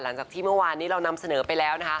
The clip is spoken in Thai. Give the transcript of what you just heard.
หลังจากที่เมื่อวานนี้เรานำเสนอไปแล้วนะคะ